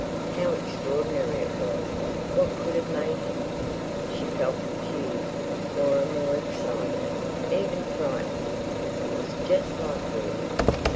How extraordinary it was.... What could have made him...? She felt confused, more and more excited, even frightened. It was just like William.